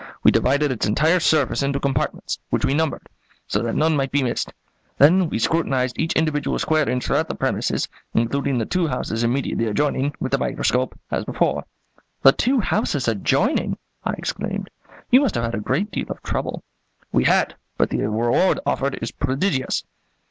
We divided its entire surface into compartments, which we numbered, so that none might be missed; then we scrutinized each individual square inch throughout the premises, including the two houses immediately adjoining, with the microscope, as before." "The two houses adjoining!" I exclaimed; "you must have had a great deal of trouble." "We had; but the reward offered is prodigious."